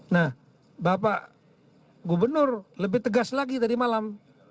nah bapak gubernur lebih tegas lagi tadi malam